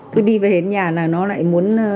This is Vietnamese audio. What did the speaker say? cứ đi về nhà là nó lại muốn